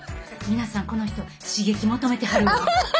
皆さんこの人刺激求めてはるわ。